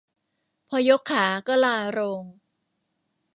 พอยกขาก็ลาโรง